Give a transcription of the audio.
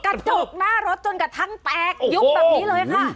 กระจกหน้ารถจนกระทั่งแตกยุบแบบนี้เลยค่ะ